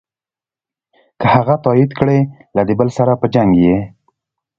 که هغه تایید کړې له دې بل سره په جنګ یې.